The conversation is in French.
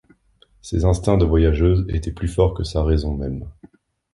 Ses instincts de voyageuse étaient plus forts que sa raison même.